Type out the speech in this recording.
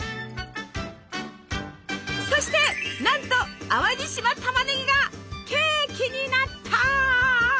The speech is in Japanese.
そしてなんと淡路島たまねぎがケーキになった！